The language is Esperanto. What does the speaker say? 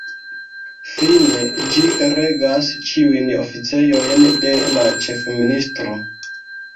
Fine, ĝi regas ĉiujn oficejojn de la ĉefministro.